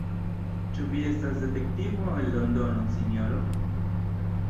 Ĉu vi estas detektivo el Londono, sinjoro?